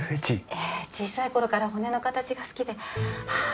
ええ小さい頃から骨の形が好きでああ